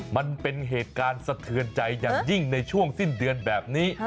มันเป็นเหตุการณ์สะเทือนใจอย่างยิ่งในช่วงสิ้นเดือนแบบนี้